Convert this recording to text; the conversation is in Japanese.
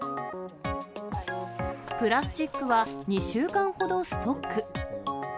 プラスチックは２週間ほどストック。